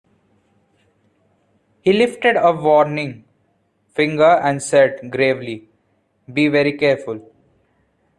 He lifted a warning finger and said gravely, "Be very careful."